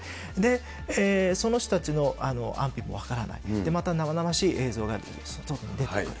その人たちの安否も分からない、また生々しい映像が出てくる。